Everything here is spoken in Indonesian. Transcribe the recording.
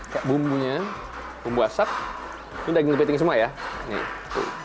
hai umpunya bumbu asap dan daging kepiting semuanya nih tuh